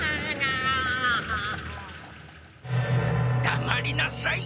だまりなさい！